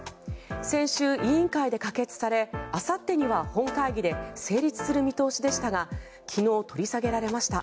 先週、委員会で可決されあさってには本会議で成立する見通しでしたが昨日、取り下げられました。